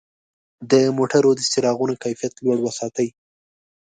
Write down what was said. د موټرو د څراغونو کیفیت لوړ وساتئ.